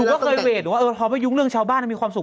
หนูว่าเคยเวทหนูว่าเออพอไม่ยุ่งเรื่องชาวบ้านมันมีความสุข